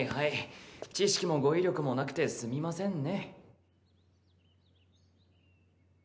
知識も語彙力もなくてすみませんね。